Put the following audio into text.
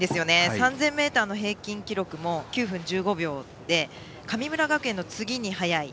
３０００ｍの平均記録も９分１５秒で神村学園の次に早い。